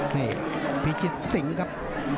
นี่พิทย์ซิงค์ครับ